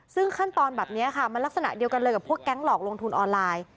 ซึ่งขั้นตอนแบบนี้ค่ะมันลักษณะเดียวกันเลยกับพวกแก๊งหลอกลงทุนออนไลน์